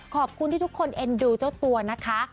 ขอบคุณที่ทุกคนเอ็นดูเจ้าตัวนะคะ